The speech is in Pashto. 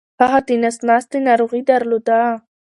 هغه دنس ناستې ناروغې درلوده